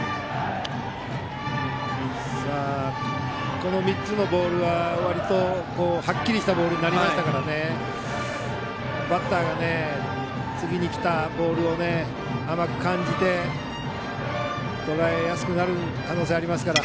この３つのボールは割とはっきりしたボールになりましたからバッターが次に来たボールを甘く感じてとらえやすくなる可能性がありますから。